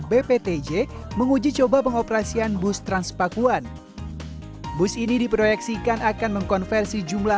bptj menguji coba pengoperasian bus transpakuan bus ini diproyeksikan akan mengkonversi jumlah